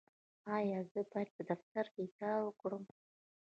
ایا زه باید په دفتر کې کار وکړم؟